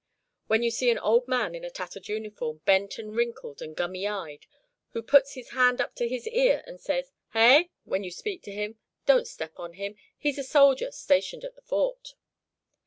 When you see an old man in a tattered uniform, bent and wrinkled and gummy eyed, who puts his hand up to his ear and says, 'Hey!' when you speak to him, don't step on him he's a soldier, stationed at the Fort.